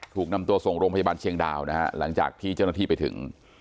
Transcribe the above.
ถูกนำตัวส่งโรงพยาบาลเชียงดาวนะฮะหลังจากที่เจ้าหน้าที่ไปถึง